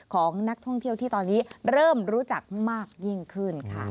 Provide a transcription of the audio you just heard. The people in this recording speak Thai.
ของนักท่องเที่ยวที่ตอนนี้เริ่มรู้จักมากยิ่งขึ้นค่ะ